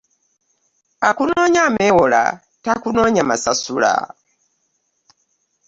Akunonya amewola takunonya nsasula .